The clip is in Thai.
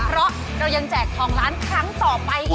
เพราะเรายังแจกทองล้านครั้งต่อไปอีก